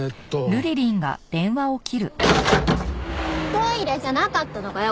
トイレじゃなかったのかよ